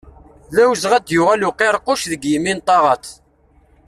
D awezɣi ad d-yuɣal uqiṛquc deg yimi n taɣaḍt.